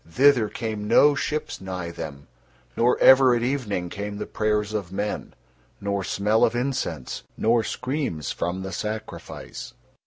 Thither came no ships nigh them, nor ever at evening came the prayers of men, nor smell of incense, nor screams from the sacrifice.